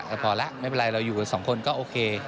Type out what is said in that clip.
แต่พอแล้วไม่เป็นไรเราอยู่กันสองคนก็โอเค